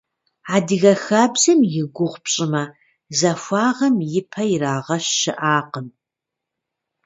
Адыгэ хабзэм и гугъу пщӀымэ – захуагъэм и пэ иригъэщ щыӀакъым.